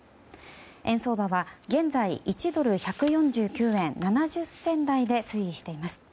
円相場は現在１ドル＝１４９円７０銭台で推移しています。